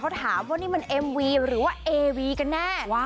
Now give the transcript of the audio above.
เขาถามว่านี่มันเอ็มวีหรือว่าเอวีกันแน่